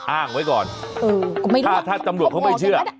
อ้างไว้ก่อนถ้าตำรวจเขาไม่เชื่อ